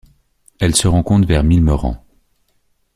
Elle se rencontre vers Milmerran.